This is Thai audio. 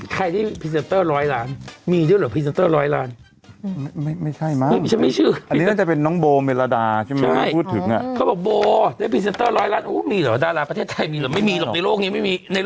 ใครนี่พรีเซนเตอร์ร้อยร้าน